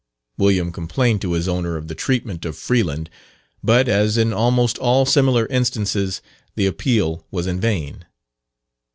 William complained to his owner of the treatment of Freeland, but, as in almost all similar instances, the appeal was in vain.